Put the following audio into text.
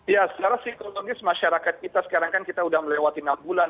ya secara psikologis masyarakat kita sekarang kan kita sudah melewati enam bulan